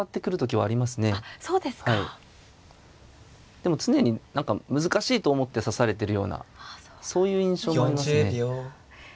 でも常に何か難しいと思って指されてるようなそういう印象もありますね。